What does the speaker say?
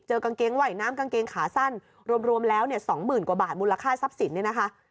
กางเกงไหวน้ำกางเกงขาสั้นรวมแล้วเนี่ยสองหมื่นกว่าบาทมูลค่าทรัพย์สินเนี่ยนะคะ